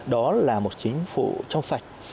đó là một chính phủ trong sạch